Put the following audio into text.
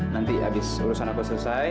nanti habis urusan apa selesai